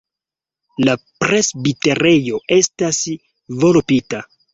La presbiterejo estas volbita.